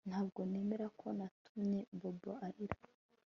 Ntabwo nemera ko natumye Bobo arira